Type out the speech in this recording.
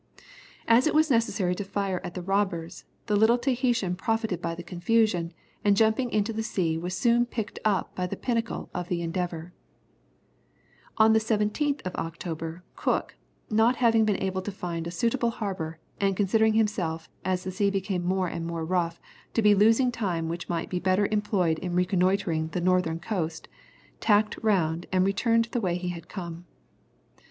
As it was necessary to fire at the robbers, the little Tahitan profited by the confusion, and jumping into the sea was soon picked up by the pinnace of the Endeavour. On the 17th of October, Cook, not having been able to find a suitable harbour, and considering himself, as the sea became more and more rough, to be losing time which might be better employed in reconnoitring the northern coast, tacked round and returned the way he had come.